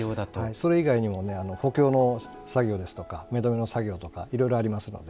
それ以外にも補強の作業ですとか目止めの作業とかいろいろありますので。